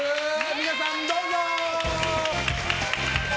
皆さん、どうぞ！